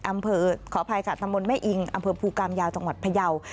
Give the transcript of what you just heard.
ขออภัยค่ะตำบลแม่อิงอำเภอภูกรรมยาวจังหวัดพยาว